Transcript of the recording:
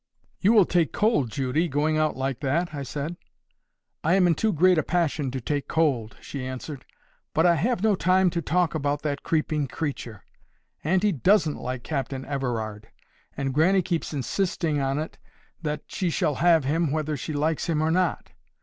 "You will take cold, Judy, going out like that," I said. "I am in too great a passion to take cold," she answered. "But I have no time to talk about that creeping creature.—Auntie DOESN'T like Captain Everard; and grannie keeps insisting on it that she shall have him whether she likes him or not.